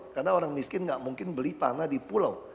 karena orang miskin gak mungkin beli tanah di pulau